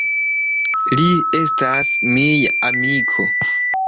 Li estas mia amiko.